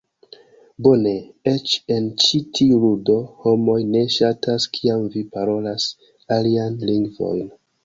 Bone! Eĉ en ĉi tiu ludo, homoj ne ŝatas kiam vi parolas alian lingvon.